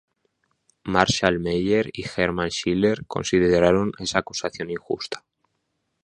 Marshall Meyer y Herman Schiller consideraron esa acusación injusta.